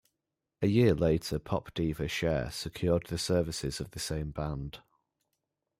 A year later pop diva Cher secured the services of the same band.